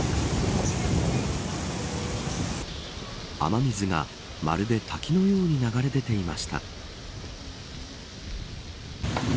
雨水が、まるで滝のように流れ出ていました。